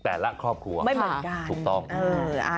แต่ละครอบครัวไม่เหมือนกัน